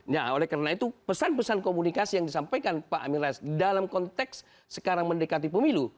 nah oleh karena itu pesan pesan komunikasi yang disampaikan pak amin rais dalam konteks sekarang mendekati pemilu